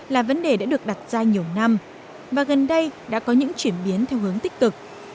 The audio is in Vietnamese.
là vấn đề đã được đặt ra nhiều năm và gần đây đã có những chuyển biến theo hướng tích cực